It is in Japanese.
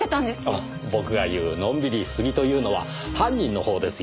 あっ僕が言うのんびりしすぎというのは犯人のほうですよ。